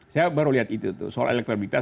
saya baru lihat itu soal elektronikitas